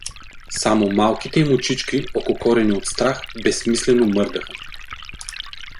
Само малките им очички, ококорени от страх, безсмислено мърдаха.